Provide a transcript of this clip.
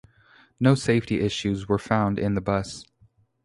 No safety issues were found in the bus.